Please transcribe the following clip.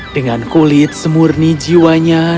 dengan kulit semurni jiwanya